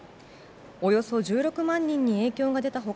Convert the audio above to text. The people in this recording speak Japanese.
およそ１６万人に影響が出た他